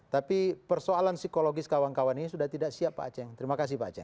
tapi persoalan psikologis kawan kawan ini sudah tidak siap pak aceh terima kasih pak aceh